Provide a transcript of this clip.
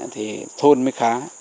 thì thôn mới khá